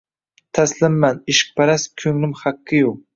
Taslimman, ishqparast ko’nglim haqqi-yu